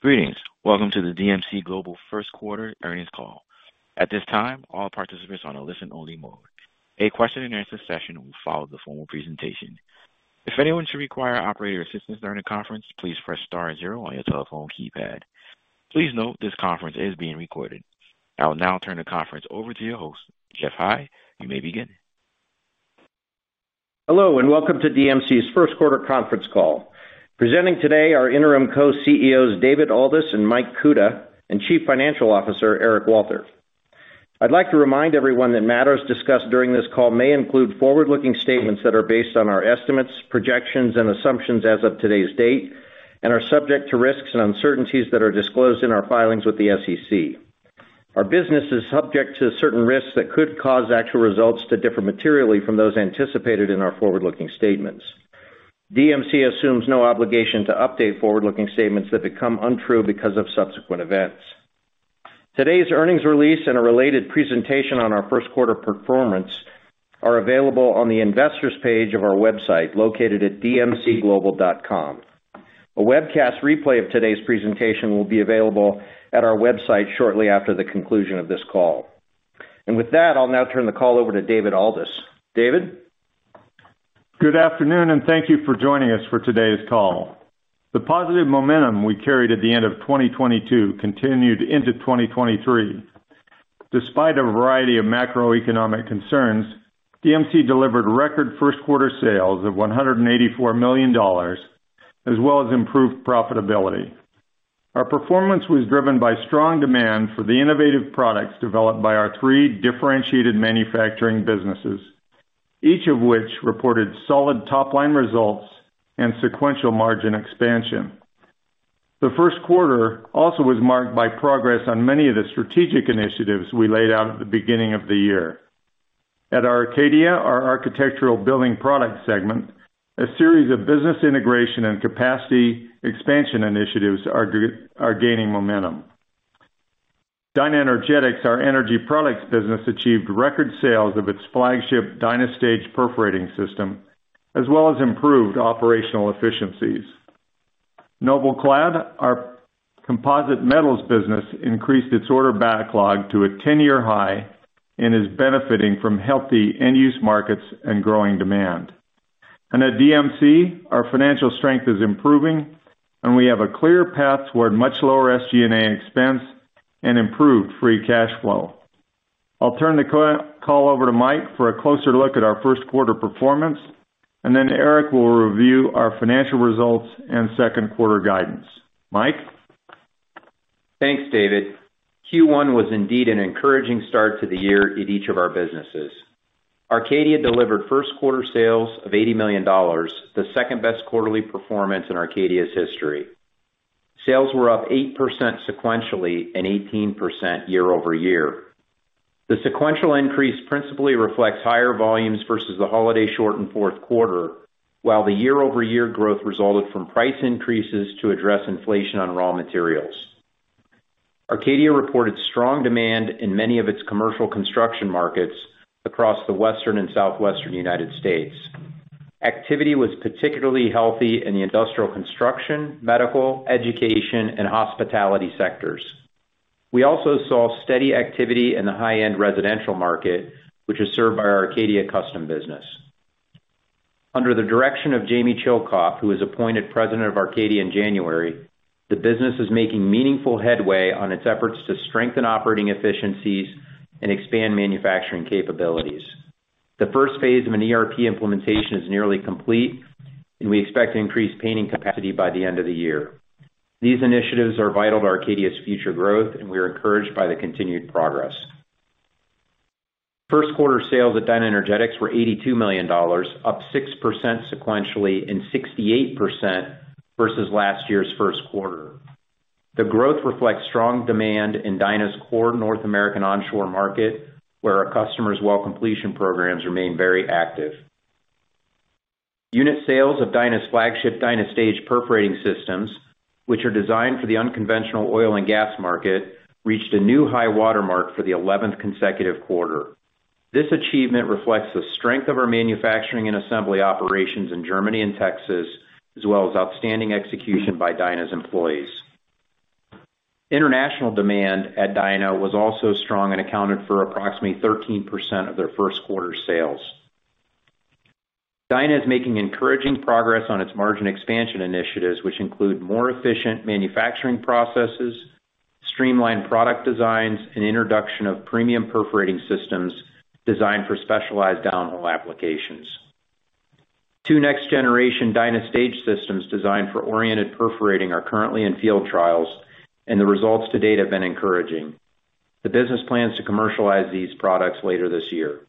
Greetings. Welcome to the DMC Global First Quarter Earnings Call. At this time, all participants are on a listen-only mode. A question and answer session will follow the formal presentation. If anyone should require operator assistance during the conference, please press star zero on your telephone keypad. Please note this conference is being recorded. I will now turn the conference over to your host, Geoff High. You may begin. Hello, and welcome to DMC's first quarter conference call. Presenting today are Interim Co-CEOs David Aldous and Michael Kuta, and Chief Financial Officer Eric Walter. I'd like to remind everyone that matters discussed during this call may include forward-looking statements that are based on our estimates, projections, and assumptions as of today's date and are subject to risks and uncertainties that are disclosed in our filings with the SEC. Our business is subject to certain risks that could cause actual results to differ materially from those anticipated in our forward-looking statements. DMC assumes no obligation to update forward-looking statements that become untrue because of subsequent events. Today's earnings release and a related presentation on our first quarter performance are available on the investors page of our website located at dmcglobal.com. A webcast replay of today's presentation will be available at our website shortly after the conclusion of this call. With that, I'll now turn the call over to David Aldous. David. Good afternoon, and thank you for joining us for today's call. The positive momentum we carried at the end of 2022 continued into 2023. Despite a variety of macroeconomic concerns, DMC delivered record first quarter sales of $184 million, as well as improved profitability. Our performance was driven by strong demand for the innovative products developed by our three differentiated manufacturing businesses, each of which reported solid top-line results and sequential margin expansion. The first quarter also was marked by progress on many of the strategic initiatives we laid out at the beginning of the year. At Arcadia, our architectural building product segment, a series of business integration and capacity expansion initiatives are gaining momentum. DynaEnergetics, our energy products business, achieved record sales of its flagship DynaStage perforating system, as well as improved operational efficiencies. NobelClad, our composite metals business, increased its order backlog to a 10-year high and is benefiting from healthy end-use markets and growing demand. At DMC, our financial strength is improving, and we have a clear path toward much lower SG&A expense and improved free cash flow. I'll turn the co-call over to Mike for a closer look at our first quarter performance, and then Eric will review our financial results and second quarter guidance. Mike? Thanks, David. Q1 was indeed an encouraging start to the year in each of our businesses. Arcadia delivered first quarter sales of $80 million, the second-best quarterly performance in Arcadia's history. Sales were up 8% sequentially and 18% year-over-year. The sequential increase principally reflects higher volumes versus the holiday short in fourth quarter, while the year-over-year growth resulted from price increases to address inflation on raw materials. Arcadia reported strong demand in many of its commercial construction markets across the Western and Southwestern United States. Activity was particularly healthy in the industrial construction, medical, education, and hospitality sectors. We also saw steady activity in the high-end residential market, which is served by our Arcadia Custom business. Under the direction of James Chilcoff, who was appointed president of Arcadia in January, the business is making meaningful headway on its efforts to strengthen operating efficiencies and expand manufacturing capabilities. The first phase of an ERP implementation is nearly complete, and we expect to increase painting capacity by the end of the year. These initiatives are vital to Arcadia's future growth, and we are encouraged by the continued progress. First quarter sales at DynaEnergetics were $82 million, up 6% sequentially and 68% versus last year's first quarter. The growth reflects strong demand in DynaEnergetics's core North American onshore market, where our customers' well completion programs remain very active. Unit sales of DynaEnergetics's flagship DynaStage perforating systems, which are designed for the unconventional oil and gas market, reached a new high watermark for the eleventh consecutive quarter. This achievement reflects the strength of our manufacturing and assembly operations in Germany and Texas, as well as outstanding execution by DynaEnergetics' employees. International demand at DynaEnergetics was also strong and accounted for approximately 13% of their first quarter sales. DynaEnergetics is making encouraging progress on its margin expansion initiatives, which include more efficient manufacturing processes, streamlined product designs, and introduction of premium perforating systems designed for specialized downhole applications. Two next-generation DynaStage systems designed for oriented perforating are currently in field trials, and the results to date have been encouraging. The business plans to commercialize these products later this year.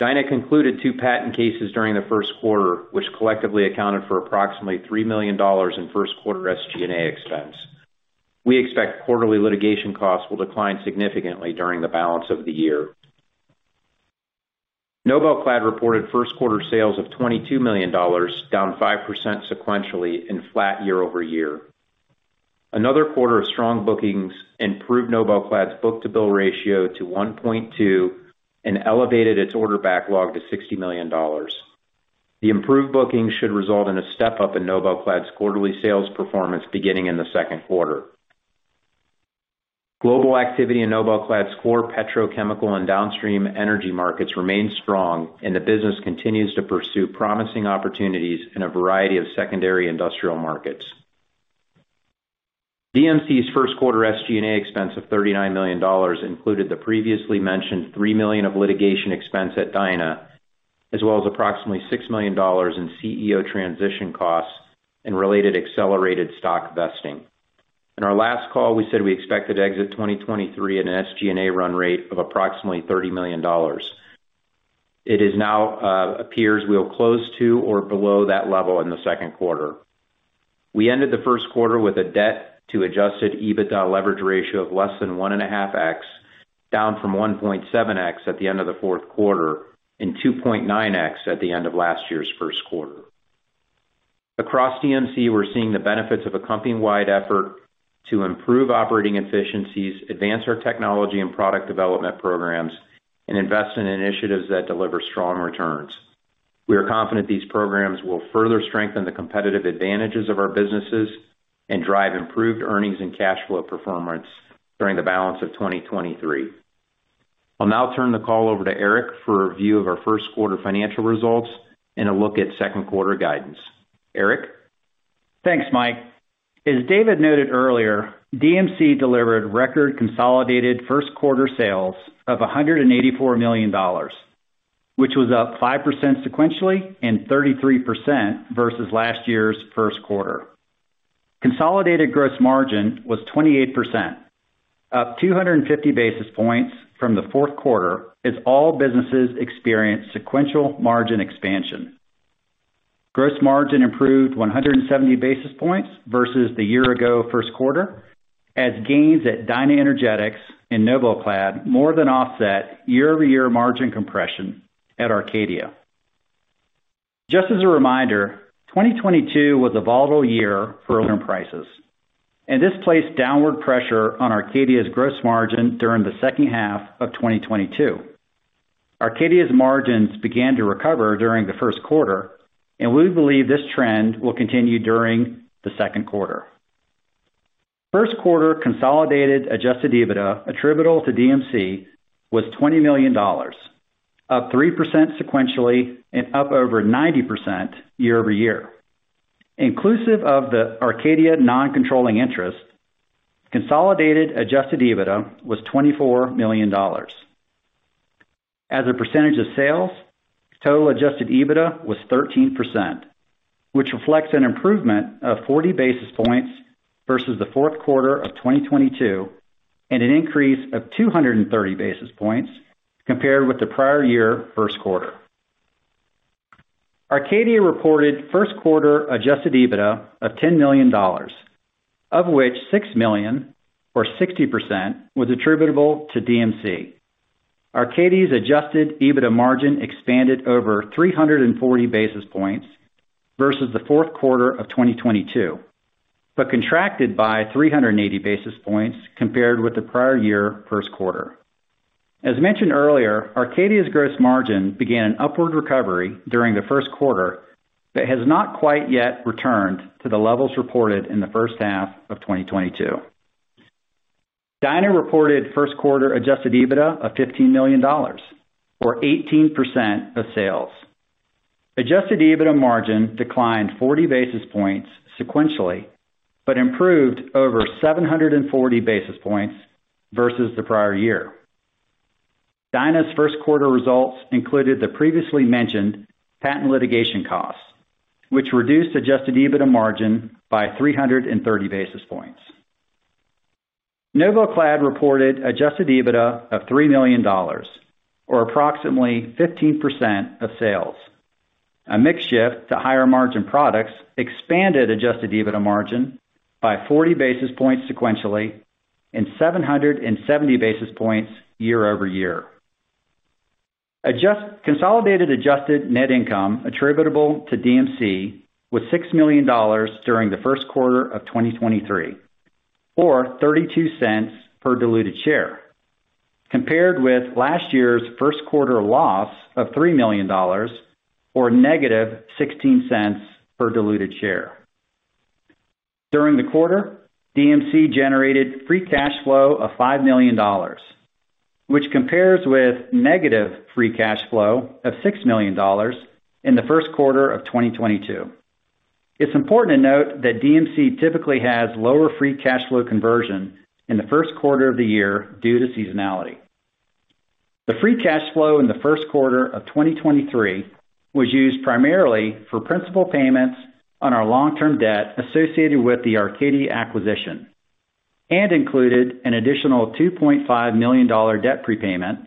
DynaEnergetics concluded two patent cases during the first quarter, which collectively accounted for approximately $3 million in first quarter SG&A expense. We expect quarterly litigation costs will decline significantly during the balance of the year. NobelClad reported first quarter sales of $22 million, down 5% sequentially and flat year-over-year. Another quarter of strong bookings improved NobelClad's book-to-bill ratio to 1.2 and elevated its order backlog to $60 million. The improved bookings should result in a step-up in NobelClad's quarterly sales performance beginning in the second quarter. Global activity in NobelClad's core petrochemical and downstream energy markets remains strong, and the business continues to pursue promising opportunities in a variety of secondary industrial markets. DMC's first quarter SG&A expense of $39 million included the previously mentioned $3 million of litigation expense at DynaEnergetics, as well as approximately $6 million in CEO transition costs and related accelerated stock vesting. In our last call, we said we expected to exit 2023 at an SG&A run rate of approximately $30 million. It is now appears we'll close to or below that level in the second quarter. We ended the first quarter with a debt to adjusted EBITDA leverage ratio of less than 1.5x, down from 1.7x at the end of the fourth quarter and 2.9x at the end of last year's first quarter. Across DMC, we're seeing the benefits of a company-wide effort to improve operating efficiencies, advance our technology and product development programs, and invest in initiatives that deliver strong returns. We are confident these programs will further strengthen the competitive advantages of our businesses and drive improved earnings and cash flow performance during the balance of 2023. I'll now turn the call over to Eric for a review of our first quarter financial results and a look at second quarter guidance. Eric? Thanks, Mike. As David noted earlier, DMC delivered record consolidated first quarter sales of $184 million, which was up 5% sequentially and 33% versus last year's first quarter. Consolidated gross margin was 28%, up 250 basis points from the fourth quarter as all businesses experienced sequential margin expansion. Gross margin improved 170 basis points versus the year-ago first quarter, as gains at DynaEnergetics and NobelClad more than offset year-over-year margin compression at Arcadia. Just as a reminder, 2022 was a volatile year for prices, and this placed downward pressure on Arcadia's gross margin during the second half of 2022. Arcadia's margins began to recover during the first quarter, and we believe this trend will continue during the second quarter. First quarter consolidated adjusted EBITDA attributable to DMC was $20 million, up 3% sequentially and up over 90% year-over-year. Inclusive of the Arcadia non-controlling interest, consolidated adjusted EBITDA was $24 million. As a percentage of sales, total adjusted EBITDA was 13%, which reflects an improvement of 40 basis points versus the fourth quarter of 2022 and an increase of 230 basis points compared with the prior year first quarter. Arcadia reported first quarter adjusted EBITDA of $10 million, of which $6 million or 60% was attributable to DMC. Arcadia's adjusted EBITDA margin expanded over 340 basis points versus the fourth quarter of 2022, but contracted by 380 basis points compared with the prior year first quarter. As mentioned earlier, Arcadia's gross margin began an upward recovery during the first quarter, but has not quite yet returned to the levels reported in the first half of 2022. DynaEnergetics reported first quarter adjusted EBITDA of $15 million or 18% of sales. Adjusted EBITDA margin declined 40 basis points sequentially, but improved over 740 basis points versus the prior year. DynaEnergetics's first quarter results included the previously mentioned patent litigation costs, which reduced adjusted EBITDA margin by 330 basis points. NobelClad reported adjusted EBITDA of $3 million or approximately 15% of sales. A mix shift to higher margin products expanded adjusted EBITDA margin by 40 basis points sequentially and 770 basis points year-over-year. Adjusted consolidated adjusted net income attributable to DMC was $6 million during the first quarter of 2023 or $0.32 per diluted share, compared with last year's first quarter loss of $3 million or -$0.16 per diluted share. During the quarter, DMC generated free cash flow of $5 million, which compares with negative free cash flow of $6 million in the first quarter of 2022. It's important to note that DMC typically has lower free cash flow conversion in the first quarter of the year due to seasonality. The free cash flow in the first quarter of 2023 was used primarily for principal payments on our long-term debt associated with the Arcadia acquisition and included an additional $2.5 million debt prepayment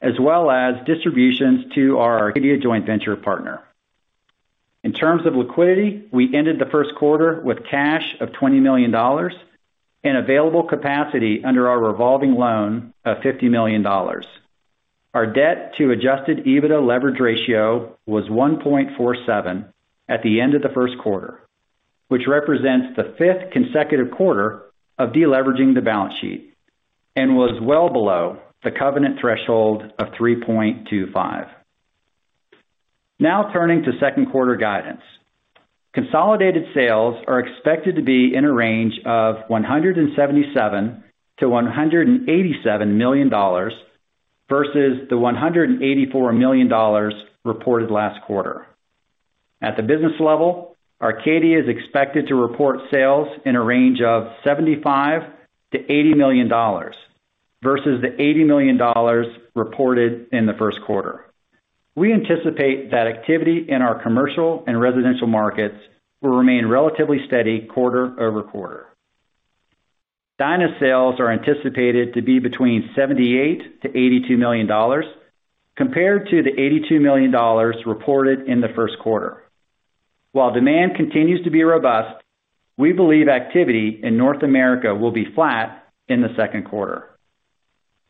as well as distributions to our Arcadia joint venture partner. In terms of liquidity, we ended the first quarter with cash of $20 million and available capacity under our revolving loan of $50 million. Our debt to adjusted EBITDA leverage ratio was 1.47 at the end of the first quarter, which represents the fifth consecutive quarter of deleveraging the balance sheet. Was well below the covenant threshold of 3.25. Now turning to second quarter guidance. Consolidated sales are expected to be in a range of $177 million-$187 million versus the $184 million reported last quarter. At the business level, Arcadia is expected to report sales in a range of $75 million-$80 million versus the $80 million reported in the first quarter. We anticipate that activity in our commercial and residential markets will remain relatively steady quarter-over-quarter. DynaEnergetics sales are anticipated to be between $78 million-$82 million compared to the $82 million reported in the first quarter. While demand continues to be robust, we believe activity in North America will be flat in the second quarter.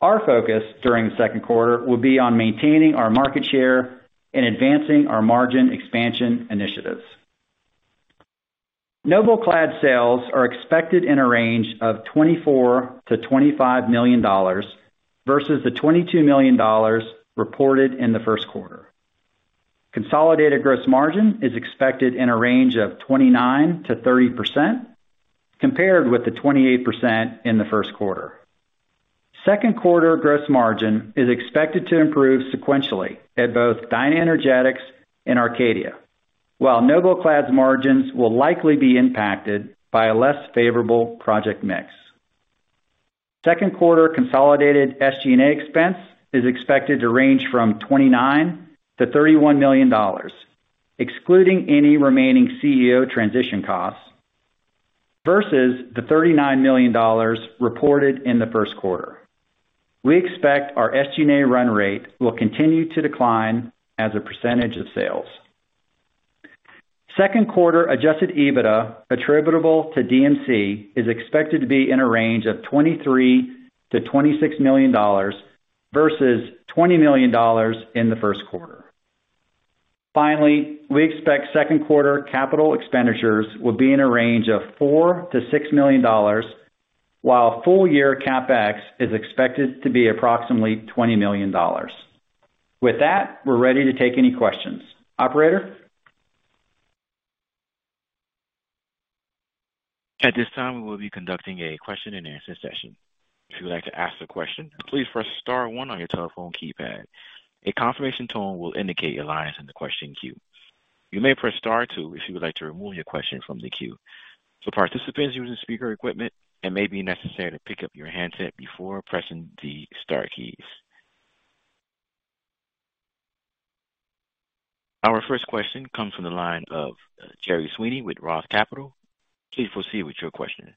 Our focus during the second quarter will be on maintaining our market share and advancing our margin expansion initiatives. NobelClad sales are expected in a range of $24 million-$25 million versus the $22 million reported in the first quarter. Consolidated gross margin is expected in a range of 29%-30% compared with the 28% in the first quarter. Second quarter gross margin is expected to improve sequentially at both DynaEnergetics and Arcadia, while NobelClad's margins will likely be impacted by a less favorable project mix. Second quarter consolidated SG&A expense is expected to range from $29 million-$31 million, excluding any remaining CEO transition costs, versus the $39 million reported in the first quarter. We expect our SG&A run rate will continue to decline as a percentage of sales. Second quarter adjusted EBITDA attributable to DMC is expected to be in a range of $23 million-$26 million versus $20 million in the first quarter. Finally, we expect second quarter capital expenditures will be in a range of $4 million-$6 million, while full year CapEx is expected to be approximately $20 million. With that, we're ready to take any questions. Operator? At this time, we will be conducting a question-and-answer session. If you would like to ask a question, please press star one on your telephone keypad. A confirmation tone will indicate your line is in the question queue. You may press star two if you would like to remove your question from the queue. For participants using speaker equipment, it may be necessary to pick up your handset before pressing the star keys. Our first question comes from the line of Gerry Sweeney with ROTH Capital. Please proceed with your question.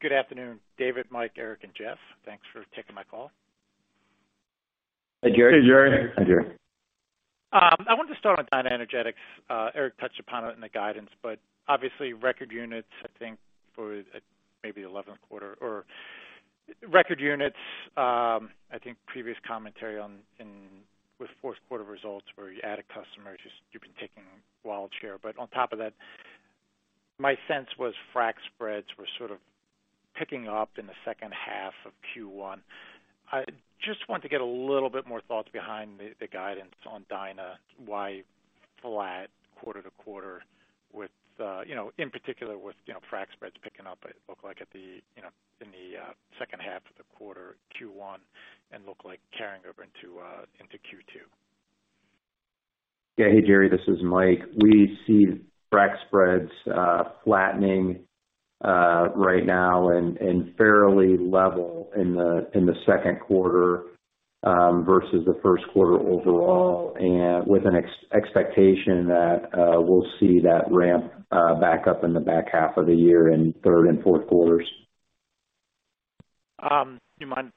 Good afternoon, David, Mike, Eric, and Geoff. Thanks for taking my call. Hi, Gerry. Hey, Gerry. Hi, Gerry. I want to start with DynaEnergetics. Eric touched upon it in the guidance, but obviously record units, I think for maybe the 11th quarter or record units, I think previous commentary on in with fourth quarter results where you add a customer, just you've been taking wallet share. On top of that, my sense was frac spreads were sort of picking up in the second half of Q1. I just wanted to get a little bit more thoughts behind the guidance on DynaEnergetics. Why flat quarter to quarter with, you know, in particular with, you know, frac spreads picking up, it looked like at the, you know, in the second half of the quarter Q1 and looked like carrying over into Q2? Yeah. Hey, Gerry, this is Mike. We see frac spreads flattening right now and fairly level in the second quarter versus the first quarter overall and with an expectation that we'll see that ramp back up in the back half of the year in third and fourth quarters. Do you mind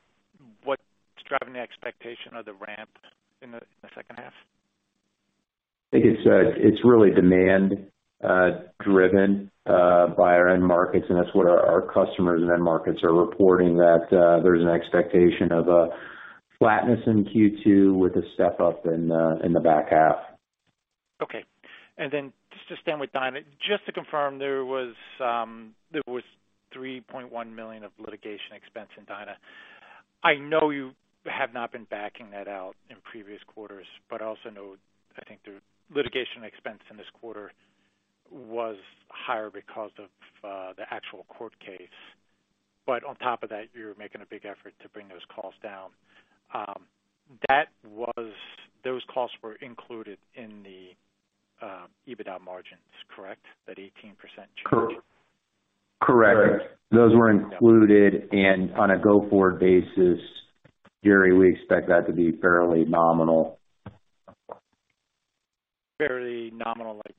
what's driving the expectation of the ramp in the, in the second half? I think it's really demand driven by our end markets, and that's what our customers and end markets are reporting that, there's an expectation of a flatness in Q2 with a step up in the back half. Just to stay with DynaEnergetics, just to confirm, there was $3.1 million of litigation expense in DynaEnergetics. I know you have not been backing that out in previous quarters, but I also know I think the litigation expense in this quarter was higher because of the actual court case. On top of that, you're making a big effort to bring those costs down. Those costs were included in the EBITDA margins, correct? That 18% change. Correct. Those were included. On a go-forward basis, Gerry, we expect that to be fairly nominal. Fairly nominal, like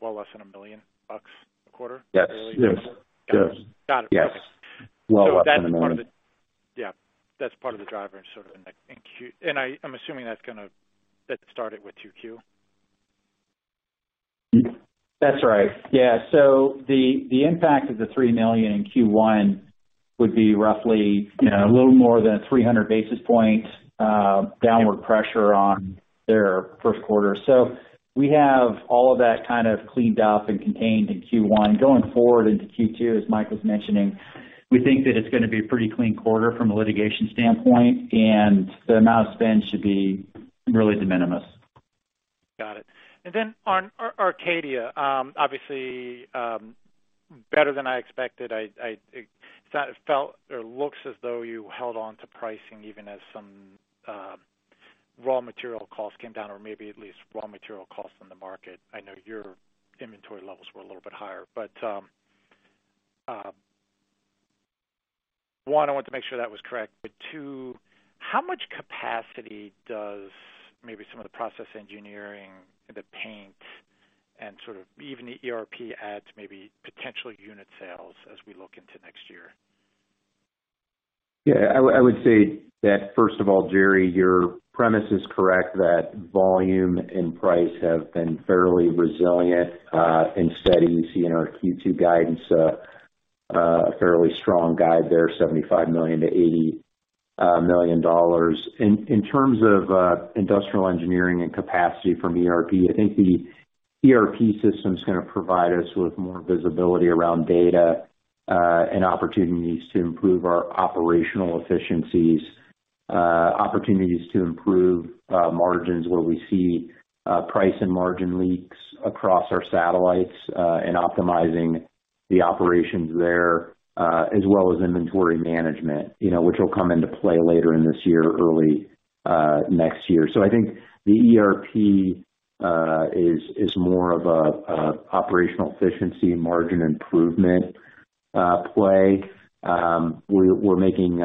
well less than $1 million a quarter? Yes. Yes. Got it. Okay. Yes. Well less than $1 million. That's part of the... Yeah, that's part of the driver sort of in. I'm assuming that started with 2Q. That's right. Yeah. The, the impact of the $3 million in Q1 would be roughly, you know, a little more than 300 basis point, downward pressure. Their first quarter. We have all of that kind of cleaned up and contained in Q1. Going forward into Q2, as Mike was mentioning, we think that it's gonna be a pretty clean quarter from a litigation standpoint, and the amount of spend should be really de minimis. Got it. Then on Arcadia, obviously, better than I expected. I, it kind of felt or looks as though you held on to pricing even as some raw material costs came down, or maybe at least raw material costs on the market. I know your inventory levels were a little bit higher, but one, I wanted to make sure that was correct, but two, how much capacity does maybe some of the process engineering and the paint and sort of even the ERP add to maybe potential unit sales as we look into next year? Yeah. I would say that, first of all, Gerry, your premise is correct that volume and price have been fairly resilient. Instead, you see in our Q2 guidance, a fairly strong guide there, $75 million-$80 million. In terms of industrial engineering and capacity from ERP, I think the ERP system's gonna provide us with more visibility around data and opportunities to improve our operational efficiencies, opportunities to improve margins where we see price and margin leaks across our satellites, in optimizing the operations there, as well as inventory management, you know, which will come into play later in this year, early next year. I think the ERP is more of a operational efficiency margin improvement play. We're making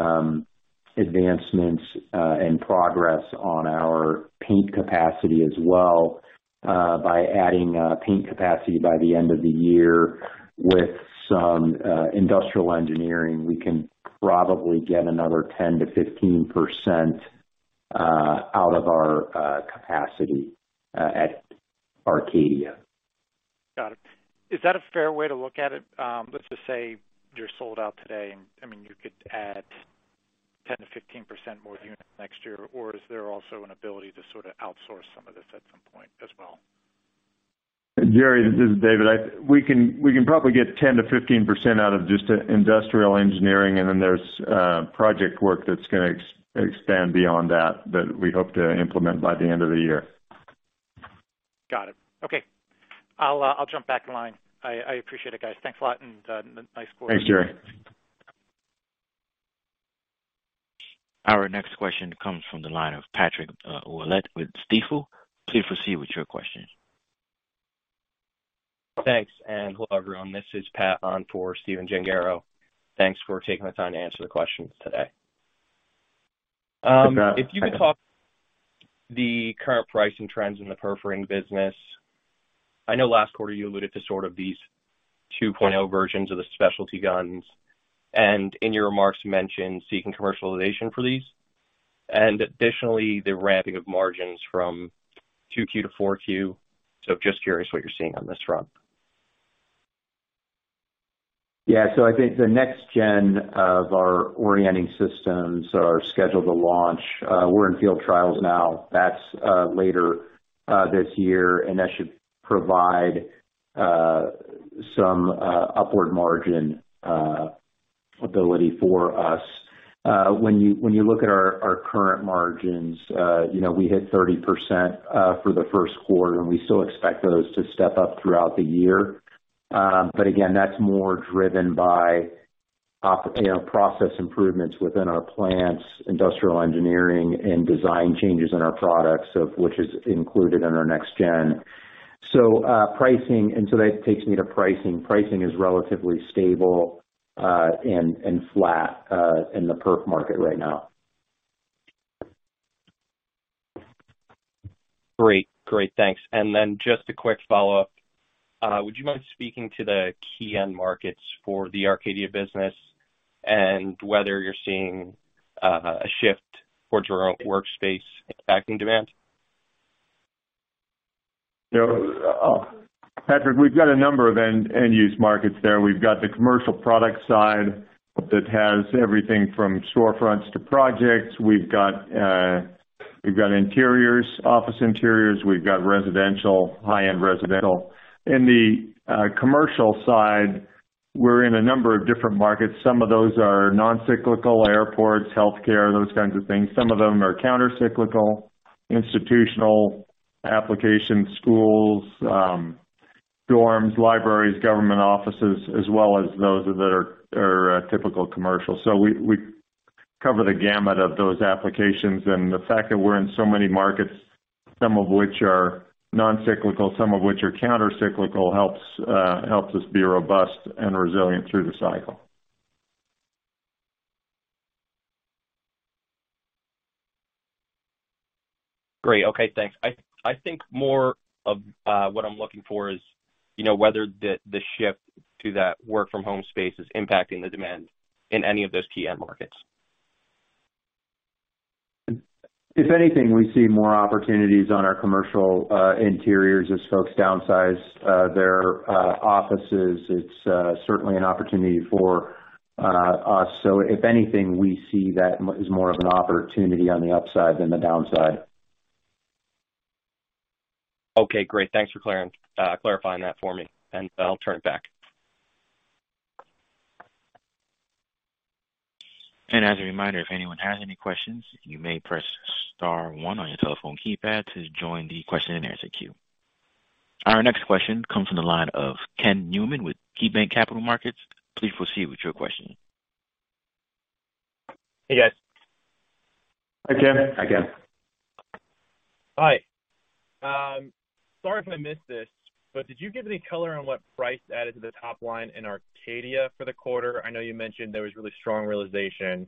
advancements and progress on our paint capacity as well, by adding paint capacity by the end of the year. With some industrial engineering, we can probably get another 10%-15% out of our capacity at Arcadia. Got it. Is that a fair way to look at it? Let's just say you're sold out today and, I mean, you could add 10%-15% more units next year, or is there also an ability to sort of outsource some of this at some point as well? Gerry, this is David. We can probably get 10%-15% out of just industrial engineering, and then there's project work that's gonna expand beyond that we hope to implement by the end of the year. Got it. Okay. I'll jump back in line. I appreciate it, guys. Thanks a lot, and nice quarter. Thanks, Gerry. Our next question comes from the line of Patrick Ouellette with Stifel. Please proceed with your question. Thanks, and hello, everyone. This is Pat on for Stephen Gengaro. Thanks for taking the time to answer the questions today. Good night. If you could talk the current pricing trends in the perforating business? I know last quarter you alluded to sort of these 2.0 versions of the specialty guns, and in your remarks, you mentioned seeking commercialization for these, and additionally, the ramping of margins from 2Q to 4Q. Just curious what you're seeing on this front. I think the next gen of our orienting systems are scheduled to launch. We're in field trials now. That's later this year, and that should provide some upward margin ability for us. When you, when you look at our current margins, you know, we hit 30% for the first quarter, and we still expect those to step up throughout the year. Again, that's more driven by you know, process improvements within our plants, industrial engineering and design changes in our products of which is included in our next gen. That takes me to pricing. Pricing is relatively stable, and flat in the perf market right now. Great. Great. Thanks. Then just a quick follow-up. Would you mind speaking to the key end markets for the Arcadia business and whether you're seeing, a shift for drone workspace impacting demand? You know, Patrick, we've got a number of end use markets there. We've got the commercial product side that has everything from storefronts to projects. We've got interiors, office interiors. We've got residential, high-end residential. In the commercial side, we're in a number of different markets. Some of those are non-cyclical, airports, healthcare, those kinds of things. Some of them are counter-cyclical, institutional applications, schools, dorms, libraries, government offices, as well as those that are typical commercial. We cover the gamut of those applications. The fact that we're in so many markets, some of which are non-cyclical, some of which are counter-cyclical, helps us be robust and resilient through the cycle. Great. Okay, thanks. I think more of what I'm looking for is, you know, whether the shift to that work from home space is impacting the demand in any of those key end markets. If anything, we see more opportunities on our commercial interiors as folks downsize their offices. It's certainly an opportunity. If anything, we see that is more of an opportunity on the upside than the downside. Okay, great. Thanks for clearing, clarifying that for me, and I'll turn it back. As a reminder, if anyone has any questions, you may press star 1 on your telephone keypad to join the question and answer queue. Our next question comes from the line of Kenneth Newman with KeyBanc Capital Markets. Please proceed with your question. Hey, guys. Hi, Ken. Hi, Ken. Hi. Sorry if I missed this, but did you give any color on what price added to the top line in Arcadia for the quarter? I know you mentioned there was really strong realization.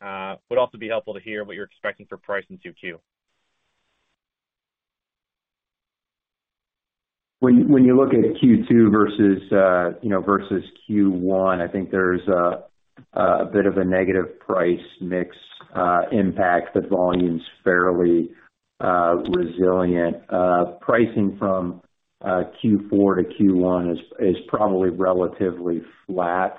Would also be helpful to hear what you're expecting for price in 2Q. When you look at Q2 versus, you know, versus Q1, I think there's a bit of a negative price mix impact, but volume's fairly resilient. Pricing from Q4 to Q1 is probably relatively flat.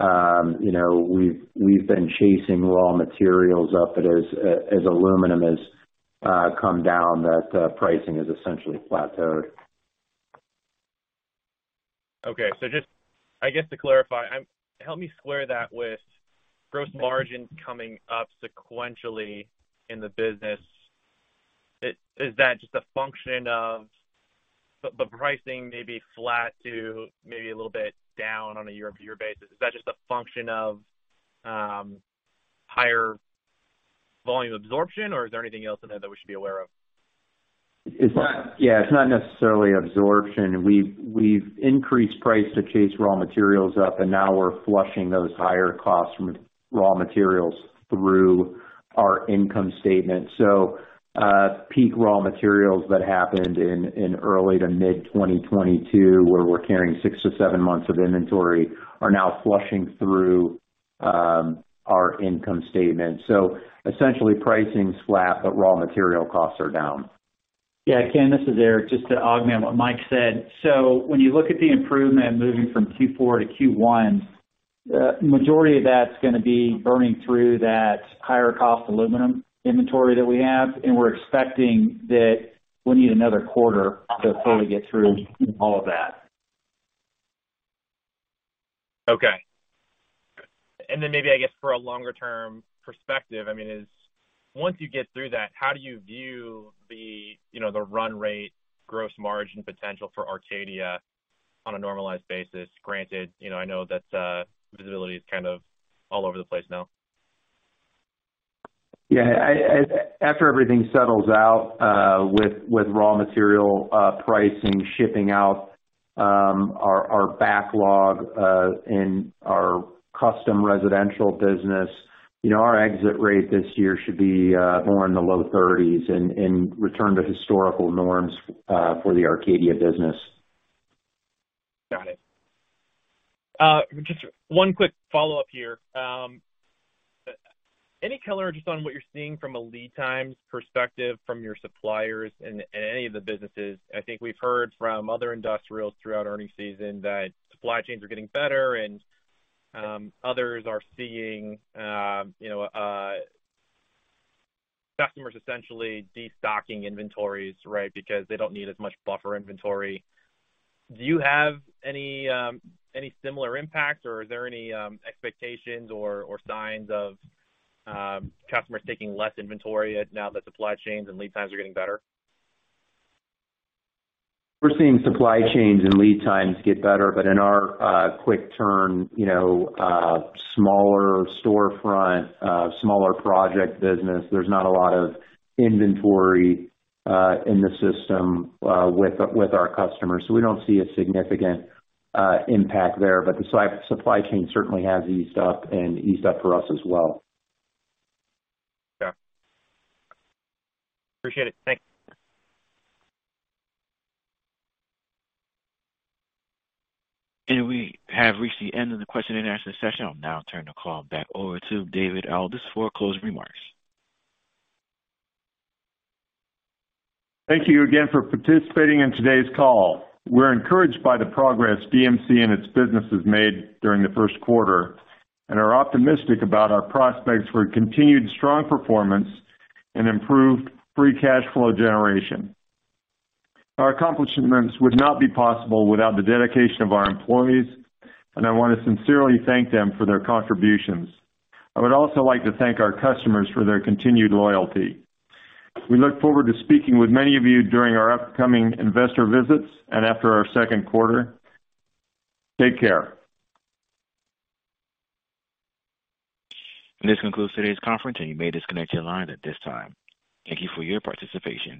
You know, we've been chasing raw materials up, but as aluminum has come down, that pricing is essentially flat third. Okay. Just I guess to clarify, help me square that with gross margins coming up sequentially in the business. Is that just a function of... But pricing may be flat to maybe a little bit down on a year-over-year basis, is that just a function of higher volume absorption, or is there anything else in there that we should be aware of? It's not necessarily absorption. We've increased price to chase raw materials up, and now we're flushing those higher costs from raw materials through our income statement. Peak raw materials that happened in early to mid 2022, where we're carrying six to seven months of inventory, are now flushing through our income statement. Essentially pricing's flat, but raw material costs are down. Yeah. Ken, this is Eric. Just to augment what Mike said. When you look at the improvement moving from Q4 to Q1, majority of that's gonna be burning through that higher cost aluminum inventory that we have, and we're expecting that we'll need another quarter to fully get through all of that. Okay. Maybe, I guess, for a longer term perspective, I mean, is once you get through that, how do you view the, you know, the run rate gross margin potential for Arcadia on a normalized basis? Granted, you know, I know that the visibility is kind of all over the place now. After everything settles out, with raw material pricing, shipping out, our backlog, and our custom residential business, you know, our exit rate this year should be more in the low 30s% and return to historical norms for the Arcadia business. Got it. Just one quick follow-up here. Any color just on what you're seeing from a lead times perspective from your suppliers in any of the businesses? I think we've heard from other industrials throughout earnings season that supply chains are getting better and, others are seeing, you know, customers essentially destocking inventories, right, because they don't need as much buffer inventory. Do you have any similar impacts, or are there any expectations or signs of, customers taking less inventory as now that supply chains and lead times are getting better? We're seeing supply chains and lead times get better, but in our quick turn, you know, smaller storefront, smaller project business, there's not a lot of inventory in the system with our customers, so we don't see a significant impact there. The supply chain certainly has eased up and eased up for us as well. Yeah. Appreciate it. Thanks. We have reached the end of the question and answer session. I'll now turn the call back over to David Aldous for closing remarks. Thank you again for participating in today's call. We're encouraged by the progress DMC and its businesses made during the first quarter, and are optimistic about our prospects for continued strong performance and improved free cash flow generation. Our accomplishments would not be possible without the dedication of our employees, and I wanna sincerely thank them for their contributions. I would also like to thank our customers for their continued loyalty. We look forward to speaking with many of you during our upcoming investor visits and after our second quarter. Take care. This concludes today's conference, and you may disconnect your line at this time. Thank you for your participation.